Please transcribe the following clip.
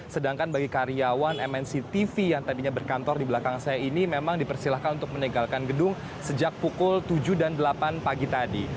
sedangkan bagi karyawan mnc tv yang tadinya berkantor di belakang saya ini memang dipersilahkan untuk meninggalkan gedung sejak pukul tujuh dan delapan pagi tadi